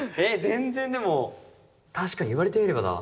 全然でも確かにいわれてみればだ。